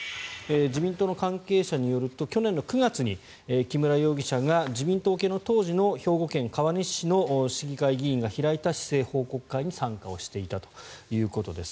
自民党の関係者によると去年９月に木村容疑者が自民党系の当時の兵庫県川西市の市議会議員が開いた市政報告会に参加をしていたということです。